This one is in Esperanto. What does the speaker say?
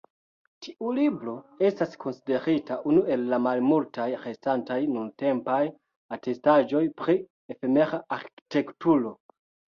Tiu libro estas konsiderita unu el la malmultaj restantaj nuntempaj atestaĵoj pri efemera arkitekturo.